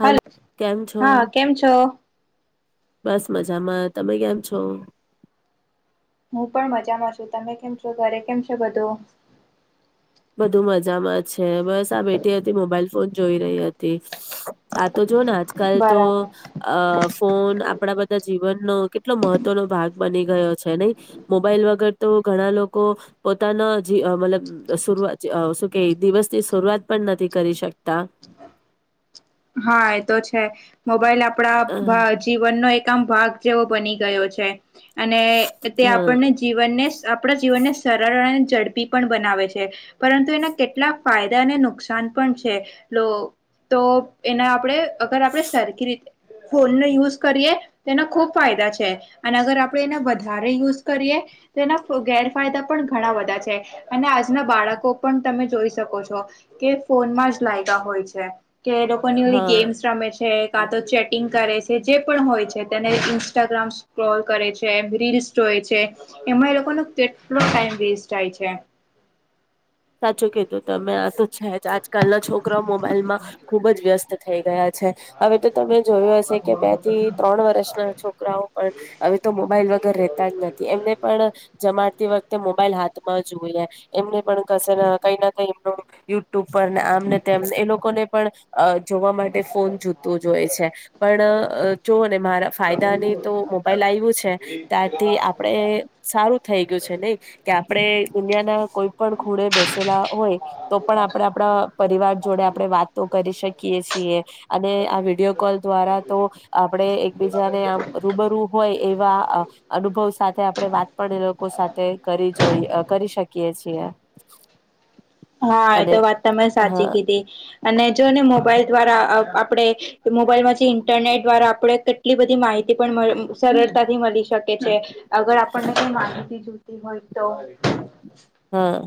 હાલ કેમ છો હા કેમ છો બસ મજામાં તમે કેમ છો હું પણ મજામાં છું તમે કેમ છો ઘરે કેમ છે બધું બધું મજામાં છે બસ આ બેઠી હતી મોબાઈલ ફોન જોઈ રહી હતી આ તો જો ને આજકાલ તો બરાબર અ ફોન આપણા બધા જીવનનો કેટલો મહત્વનો ભાગ બની ગયો છે નહી મોબાઈલ વગર તો ઘણા લોકો પોતાના જ મતલબ શરૂઆત શું કે દિવસ ની શરૂઆત પણ નથી કરી શકતા હા એ તો છે મોબાઈલ અ આપણા જીવનનો એક દમ ભાગ જેવો બની ગયો છે અને તે હા આપણને જીવનને આપણા જીવનને સરળ અને ઝડપી પણ બનાવે છે પરંતુ એના કેટલા ફાયદા અને નુકસાન પણ છે લો તો એના આપણે અગર આપણે સરખી રીતે ફોનને યુઝ કરીએ તેના ખુબ ફાયદા છે અને અગર આપણે એને વધારે યુઝ કરીએ તેના ગેરફાયદા પણ ઘણા બધા છે અને આજના બાળકો પણ તમે જોઈ શકો છો ફોનમાં જ લાગતા હોય છે કે લોકો હા ગેમ્સ રમે છે કા તો ચેટિંગ કરે છે જે પણ હોય છે તેને ઇન્સ્ટાગ્રામ સક્રોલ કરે છે એમ રીલ્સ એમાં એ લોકો નો કેટલો ટાઈમ વેસ્ટ થાય છે [inaudible] સાચું કીધું તમે આ તો છે જ આજકાલના છોકરા મોબાઈલ માં ખુબ જ વ્યસ્ત થઈ ગયા છે હવે તો તમે જોયું હશે કે બે થી ત્રણ વર્ષના છોકરાઓ પણ હવે તો મોબાઈલ વગર રેતા જ નથી એમને પણ જમાતી વખતે મોબાઈલ હાથ માં જોઈ એમને પણ કસે કઈ ના કઈ એમ યુ ટુબપર ને આમ ને તેમને એ લોકોને પણ અ જોવા માટે ફોન જુતો જ હોય છે પણ જોઓ ને મારા ફાયદા ની તો મોબાઈલ આવ્યું છે ત્યારથી આપણે સારું થઈ ગયું છે નહી કે આપણે દુનિયાના કોઈ પણ ખૂણે બેસેલા હોય તો પણ આપણે આપણા પરિવાર જોડે આપણે વાતો કરી શકીએ છીએ અને આ વિડીયો કોલ દ્વારા તો આપડે એકબીજાને આમ રૂબરુ હોય એવા આ અનુભવ સાથે આપણે વાત પણ એ લોકો સાથે કરી જોઈ અ કરી શકિ કીએ છીએ હા એ તો અને વાત તમે હા સાચી કીધી અને જો ને મોબાઈલ દ્વારા અ આપડે મોબાઈલમાંથી ઇન્ટરનેટ દ્વારા આપડે કેટલી બધી માહિતી પણ મ સરળતાથી મલી શકે છે. અગર આપણને કઈ માહિતી જોયતી હોય તો હા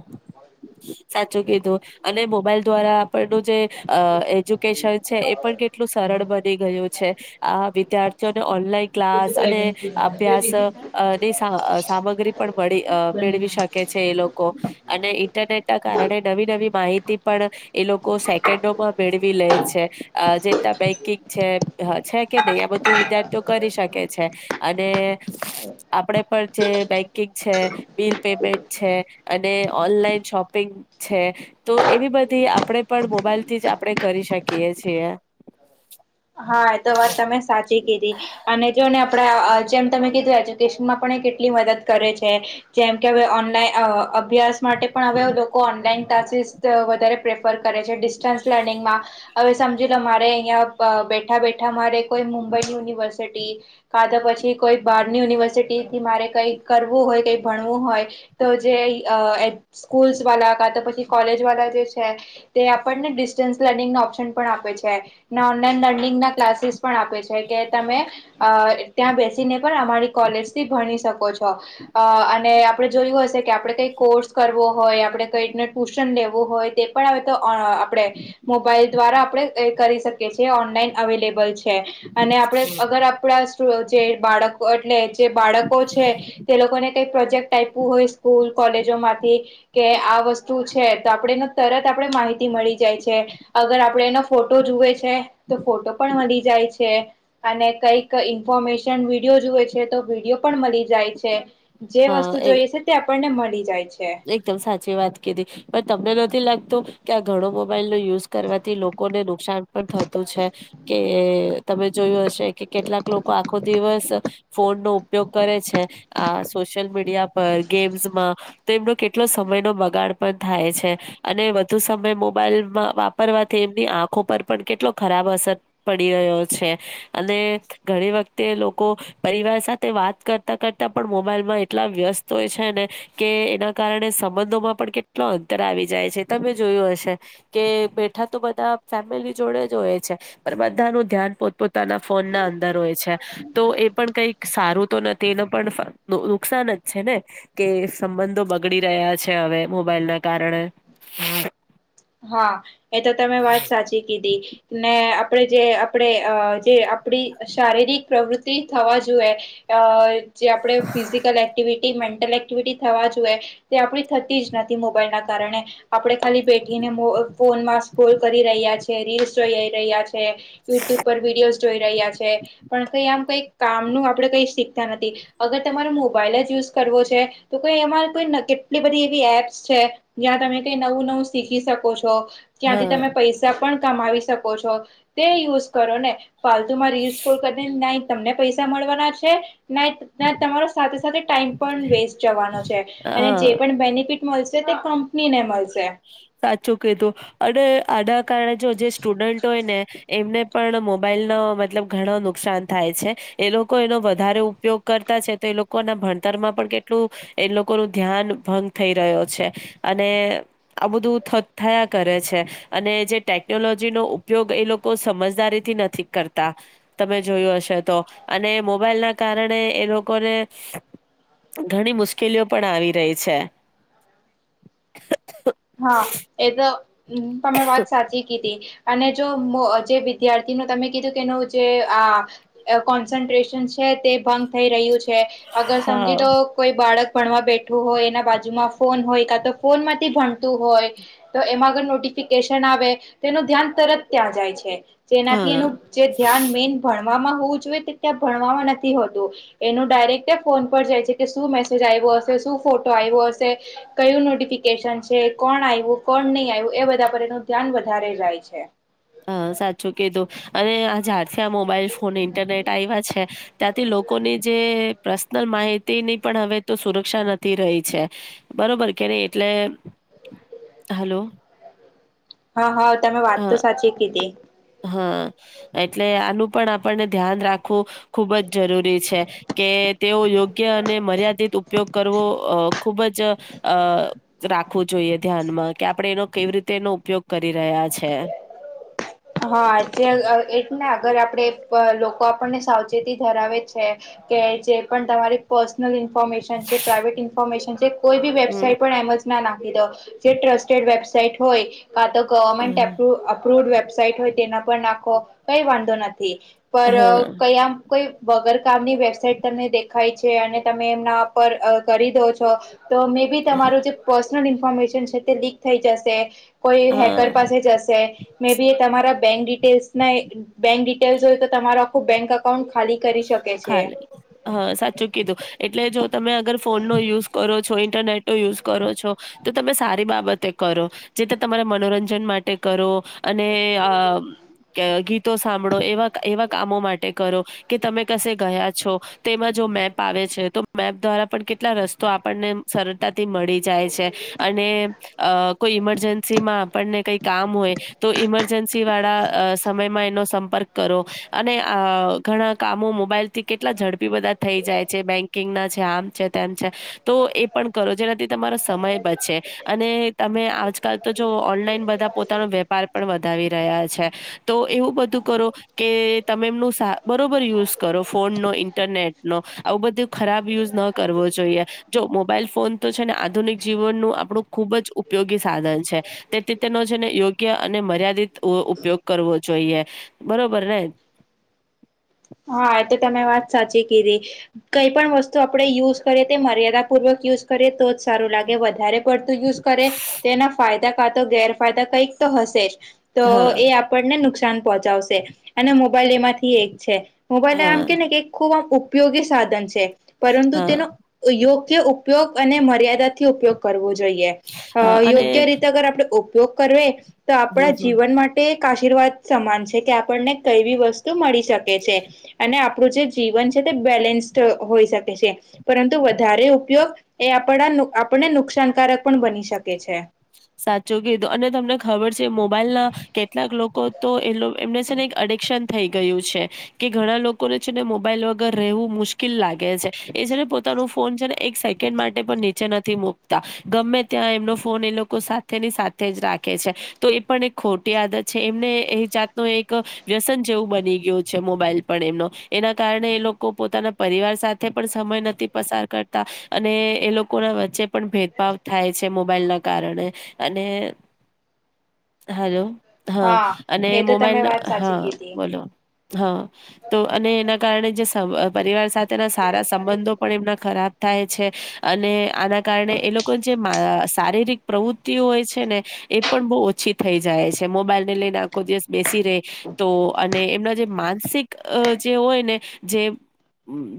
સાચું કીધું અને મોબાઈલ દ્વારા પરનું જે અ એજ્યુકેશન છે એ પણ કેટલું સરળ બની ગયું છે આ વિધા થીઓને ઓનલાઈન ક્લાસ અને અભ્યાસ અ ની સા સામગ્રી પણ મળી અ મેળવી શકે છે એ લો કો અને ઈન્ટરનેટ ના કારણે નવી નવી માહિતી પણ એ લોકો સેકન્ડોમાં મેળવી લે છે અ જેટલા બેંકિંગ છે છે કે નહી આ બધું વિદ્યાર્થીઓ કરી શકે છે. અને આપડે પણ જે બેંકિંગ છે બિલ પેમેન્ટ છે. અને ઓનલાઈન શોપિંગ છે તો એવી બધી આપણે પણ મોબાઈલ થી જ આપણે કરી શકીએ છીએ હા એ તો વાત તમે સાચી કીધી અને જોને આપણા જેમ તમે કીધું એજ્યુકેશનમાં પણ એ કેટલી મદદ કરે છે જેમ કે હવે ઓનલાઈ અ અભ્યાસ માટે પણ હવે લોકો ઓનલાઈન ક્લાસીસ વધારે પ્રેફર કરે છે ડિસ્ટસ લર્નિંગમાં હવે સમજી લો મારે અહીંયા પ બેઠા બેઠા મારે કોઈ મુંબઈની યુનિવર્સિટી કાત પછી કોઈ બાર ની યુનિવર્સિટી મારે કઈ કરવું હોય કઈ ભણવું હોય તો જે અ ખ સ્કૂલ્ વાલા કાત પછી કોલેજ વાલા જે છે તે આપને ડિસટનસ લનિગનો ઓપ્શન પણ આપે છે. ને ઓનલાન લર્નિંગ ના ક્લાસીસ પણ આપે છે કે તમે અ ત્યાં બેસીને પણ અમારી કોલેજથી ભણી શકો છો અ અને આપણે જોયું હશે કે આપડે કઈક કોર્સ કરવો હોય આપણે કઈતને ટ્યુશન લેવું હોય તે પણ હવે તો ઓ આપણે મોબાઈલ દ્વારા આપડે કરી શક કે છે ઓનલાઈન અવેલેબલ છે અને આપણે અગર આપણા જે બાળકો એટલે જે બાળકો છે તે લોકોને કઈ પ્રોજેક્ટ આપવું હોય સ્કૂલ કોલેજો માંથી કે આ વસ્તુ છે તો આપડે એ તરત આપેડે માહિતી મળી જાય છે. અગર આપડે એનો ફોટો જુએ છે તો ફોટો પણી જાય છે અને કઈક ઇન્ફોર્મે સન વિડીયો જોએ છે તો વિડીયો પણ મલી જાય છે જે હા વસ્તુ એ જોઈએ છે તે આપણને મળી જાય છે એકદમ સાચી વાત કીધી પણ તમને નથી લાગ તો કે આ ઘણો મોબાઈલ નો યુઝ કરવાથી લોકોને નુકસાન પણ થતું છે કે તમે જોયું હશે કે કેટલાક લોકો આખો દિવસ ફોન નો ઉપયોગ કરે છે આ સોશિયલ મીડિયા પર ગેમ્સમાં તો એમનો કેટલો સમયનો બગાડ પણ થાય છે અને વધુ સમય મોબાઈલમાં વાપરવાથી એની આંખો પર પણ કેટલો ખરાબ અસર પડી રહ્યો છે અને ઘણી વખતે લોકો પરિવાર સાથે વાત કરતા કરતા પણ મોબાઈલમાં એટલા વ્યસ્ત હોય છે ને કે એના કારણે સંબંધોમાં પણ કેટલો અંતર આવી જાય છે તમે જોયું હશે કે બેઠા તો બ ધા ફેમિલી જોડે જ હોય છે પણ બધાનું ધ્યાન પોતપતાના ફોન ના અંદર હોય છે તો એ પણ કઈક સારું તો તેને પણ ફ નુકસાન જ છે ને કે સંબંધ બગડી રહ્યા છે હવે મોબાઈલ ના કારણે હા એ તો તમે વાત સાચી કીધી ને આપણે જે આપણે અ જે આપડી શારીરિક પ્રવૃત્તિ થવા જોઈએ અ જે આપણે ફિઝિકલ એક્ટિવિટી એક થવા જોએ આપ થતી જ નથી મોબાઈલ ના કારણે આપણે ખાલી ને ફોનમાં સ્લ કરી રહ્યા છે રીલસ જોઈઈ રહ્યા છે યુટ્યુબ પર વિડીયો જોઈ રહ્યા છે પણ ક આમ કઈક કામ ન આપડે કઈ શીખતા નથી અગર તમારો મોબાઈલ જ યુઝ કરવો છે તો કઈ એમાં કોઈ નકી કેટલી બધી એવી એપ્સ છે જ્યાં તમે કઈ નવું નવું શીખી શકો છો હા ત્યાંથી તમે પૈસા પણ શકો છો તે યુઝ કરો ને ફતુમાં ર કરી તમને પૈસા મળવાના છે નાઈટ ના તમારો સાથે સાથે ટાઈમ પણ વેસ્ટ જવાનો છે અને હા જે પણ બેનિફિટ મળશે તે કંપની ને મળશે સાચું કીધું અને આના કારણે જો જે સ્ટુડન્ટ હોય ને એમને પણ મોબાઈલ ના મતલબ ઘણ નુકસાન થાય છે એ લોકો એનો વધારે ઉપયોગ કરતા છે તો એ લોકો એના ભણતર એમાં પણ કેટલું એ લોકોનું ધ્યાન ભંગ થઈ રહ્યો છે અને આ બધું થત થયા કરે છે અને જે ટેકનોલોજી નો ઉપયોગ એ લોકો સમજદારી થી નથી કરતા તમે જોયું હશે તો અને મોબાઈલ ના કારણે એ લોકોને ઘણી મુશ્કેલીઓ પણ આવી રહી હા એ તો તમે વાત સાચી કીદી અને જો મ જે વિદ્યાર્થીનો તમે કીધું કે એનું જે આ કોન્સન્ટ્રેશન છે તે ભંગ થઈ રહ્યું છે અગર સમજી હા લો કોઈ બાળક ભણવા બેઠું હોય એના બાજુમાં ફોન હોય કા તો ફોન માંથી ભણ તું હોય તો એમાં અગર નોટિફિકેશન આવે તેનું ધ્યાન તરત ત્યાં જાય છે જેનાથી હા. એનું જે ધ્યાન મેન ભણ ભણવામાં હોવું જોઈએ તે ત્યાં ભણવામાં નથી હોતું એનું ડાયરેક ફોન પર જાય છે કે શું મેસેજ આય વો અસે સુ ફોટો આવ્યો અસે ક્યુ નોટિફિકેશન છે કોણ આયવું કોણ નહી આયવું એ બધા પર એનું ધ્યાન વધારે જાય છે. હા સાચું કીધું અને આ જ્યારથી આ મોબાઈલ ફોન ઇન્ટરનેટ આયવા છે ત્યાંથી લોકોની જી એ પર્સનલ માહિતી ની પણ હવે તો સુરક્ષા નથી રહી છે બરોબર કે નહી એટલે એ હલો હા હા તમે વાત તો હા સાચી કીધી હા એટલે આનું પણ આપણને ધ્યાન રાખવું ખુબ જ જરૂરી છે કે તેઓ યોગ્ય અને મર્યાદિત ઉપયોગ કરવો અહ ખૂબ જ જ અહ રાખવું જોઈએ ધ્યાનમાં કે આપડણે એનો કેવી રીતે એનો ઉપયોગ કરી રહ્યા છે. [unintelligible] [inaudible] હા જે અહ એટ ને અગર આપડણે પ લોકો આપણને સાવચેતી ધરાવે છે કે જે પણ તમારી પર્સનલ ઈન ફોર્મેશન છે પ્રાઇવેટ ઇન્ફોર્મેશન છે કોઈ ભી હમ વેબાઈટ પણ એમઝ નાખ [unintelligible] જે ટ્રસ્ટેડ વેબસાઈટ હોય કા તો ગવર્મેન્ટ હા એપ્રુવ અપ્રુવ વેબ એપ હોય તેના નાખો કઈ વાંધો નથી પર હા કયા કોઈ વગર કામની વેબસાાઈટ તમને દેખાય છે અને તમે એમના પર કરી દો છો તો મે બી તમારું જે પર્સનલ ઇન્ફોર્મેશન છે તે લીક થઈ જશે કોઈ હેકર હા. પાસે જશે મે બી તમારા બેંક ડિટેલ્સ મેં બેક ડિટેલ્સ હોય તો તમારો આખું બેંક એકાઉન્ટ ખાલે હા સાચું કીધું એટલે જો તમે અગર ફોન નો યુઝ કરો છો ઈન ન્ટરનેટ નો યુઝ કરો છો તો તમે સારી બાબતે કરો જેથી તમારા મનોરંજન માટે કરો અને અહ ક ગીતો સાંભડો એવા એવા કામો માટે કરો કે તમે કસે ગયા છો તેમાં જો મેપ આવે છે તો મેપ દ્વારા પણ કેટલા રસ્તો આપણને સરળતાથી મળી જાય છે અને અહ કોઈ ઈમરજન્સી માં આપણને કઈ કામ હોય તો ઈમરજન્સી વાળા અહ સમયમાં એનો સંપર્ક કરો અહ અને ઘણા કામો મોબાઈલથી કેટલા ઝડપી બધા થઈ જાય છે બેકિંગ ના છે આમ છે તેમ છે તો એ પણ પણ કરો જેનાથી તમારો સમય બચશે અને તમે આજકાલ તો જો ઓનલાઈન બધા પોતાનો વે વ્યાપાર પણ વધાવી રહ્યા છે તો એવું બધું કરો કે તમે એમનું સા બરોબર યુઝ કરો ફોન નો ઈન્ટરનેટ નો આવું બધું ખરાબ યુઝ ન કરવો જોઈએ જો મો મોબાઈલ ફોન તો છે ને આધુનિક જીવનનું આપડુ ખુબ જ ઉપયોગી સાધન છે તેથી તેનો છે ને ઈ યોગ્ય અને મર્યાદિત વ ઉપયોગ કરવો જોઈએ બરોબર ને? હા તો તમે વાત સાચી કીધી કઈ પણ વસ્તુ આપણે યુઝ કરીએ તે મર્યાદા પૂર્વક યુઝ કરે તો જ સારું લાગે વધારે પડતું યુઝ કરે તેના ફાયદા કા તો ગેરફાયદા કઈક તો હશે જ તો હા, એ આપણને નુકસાન પહોંચાશે અને મોબાઈલ એમાંથી એક છે મોબાઈલ આમ કે હા, ને કે ખૂબ આમ ઉપયોગી સાધન છે પરંતુ હા, તેનો યોગ ઉપયોગ અને મર્યાદાથી ઉપયોગ કરવો જોઈએ હા અને યોગ્ય રીતે અગર આપણે ઉપયોગ કર તો હમ, આપણા હમ. જીવન માટે એક આશીર્વાદ સમાન છે કે આપણને કઈ બી વસ્તુ મળી શકે છે અને આપણું જે જીવન છે તે બેલેન્સ્ હોઈ શકે છે પરંતુ વધારે ઉપયોગ એ આપણા આપણને નુકસાનકારક પણ બની શકે છે સાચું કીધું અને તમને ખબર છે મોબાઈલ ના કેટલાક લોકો તો એ એમને છે ને યું કે ઘણા લોકોને છેને મોબાઈલ વગર રહેવું મુશ્કેલ લાગે છે પોતા ફોન છે ને એક સેકન્ડ માટે પણ નીચે નથી મુકતા ગમે ત્યાં એમનો ફોન એ સાથે ની સાથે જ રાખે છે તો એ પણ એક ખોટી આદત છે એમને એ જાતનો એક વ્યસન જેવું બની ગયું છે મોબાઈલ પણ એમનો એના કારણે એ લોકો પોતાના પરિવાર સાથે પણ સમ નથી પસાર કરતા અને એ લોકો ના વચ્ચે પણ ભેદભાવ થાય છે મોબાઈલ ના કારણે અને હલોો હા અને એ તો તમે મોબાઈલ વાત સાચી હા કીધી. બોલો હા તો અને એના કારણે જે પરિવાર સાથેના સારા સંબંધો પણ એમના ખરાબ થાય છે અને આના કારણે એ લોકો જે શારીરિક પ્રવૃત્તિઓ હોય છે ને એ પણ બહુ ઓછી થઈ જાય છે મોબાઈલ ને લઈને આખો જે બેસી રે તો અને એમના જે માનસિક જે હોય ને જે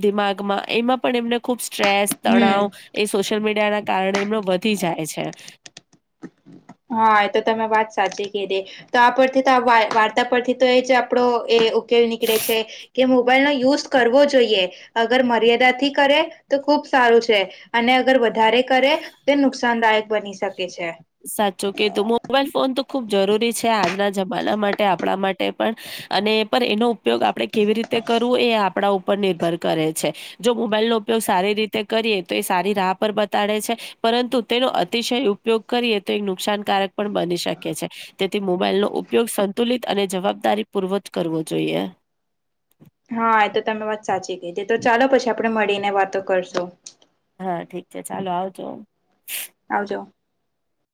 દિમાગમાં એમાં પણ એમને ખુબ સ્ટ્રેસ હમ. તણાવ એ સોશિયલ મીડિયા ના કારણે એમનો વધી જાય છે હા એ તો તમે વાત સાચી કધી તો આ પરથી તો વાર્તા પરથી તો એ જ આપડો એ કેવી નીકળે છે કેમ બલ નો યુઝ કરવો જોઈએ અગર મર્યાદાથી કરે તો ખૂબ સારું છે અને અગર વધારે કરે તે નુકસાનદાયક બની શકે છે સાચું કે તું મોબાઈલ ફોન તો ખુબ જરૂરી છે આજના જમાના માટે આપણા માટે પણ અને પણ એનો ઉપયોગ આપડણે કેવી રીતે કરવું એ આપણા ઉપ નિર્ભર કરે છે જો મોબાઈલ નો ઉપયોગ સારી રીતે કરીએ તો એ સારી રાહ પર બતાડે છે પરંતુ તેનો અતિશય ઉપયોગ તો નુકસાનકારક પણ બની શકે છે તેથી મોબાઈલ નો ઉપયોગ સંતુલિત અને જવાબદારી પૂર્વજ કરવો જોઈએ હા એ તો તમે વાત સાચી કી હતીી તો ચાલો પછી આપડે મળીને વાતો કરશો હા ઠીક છે ચાલો આવજો આવઉજો